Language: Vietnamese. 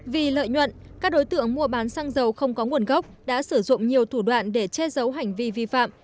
vì lợi nhuận các đối tượng mua bán xăng dầu không có nguồn gốc đã sử dụng nhiều thủ đoạn để che giấu hành vi vi phạm